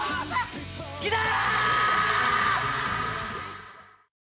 好きだー！